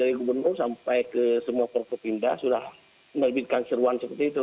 dari gubernur sampai ke semua prokopimda sudah menerbitkan seruan seperti itu